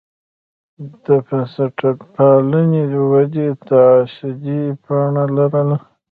د بنسټپالنې ودې تصاعدي بڼه لرله.